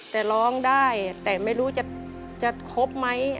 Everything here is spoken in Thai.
แต่ร้องได้แต่ไม่รู้จะครบไหม